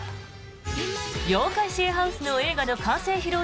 「妖怪シェアハウス」の映画の完成披露